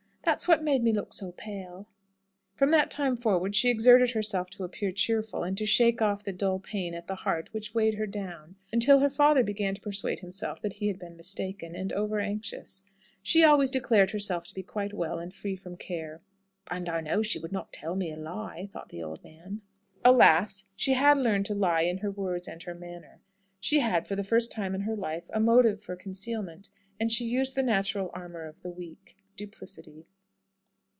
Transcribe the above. That's what made me look so pale." From that time forward she exerted herself to appear cheerful, and to shake off the dull pain at the heart which weighed her down, until her father began to persuade himself that he had been mistaken, and over anxious. She always declared herself to be quite well and free from care. "And I know she would not tell me a lie," thought the old man. Alas, she had learned to lie in her words and her manner. She had, for the first time in her life, a motive for concealment, and she used the natural armour of the weak duplicity.